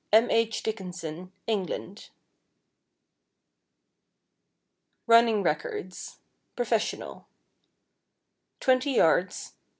M. H. Dickinson, England. =Running Records, Professional=: 20 yds.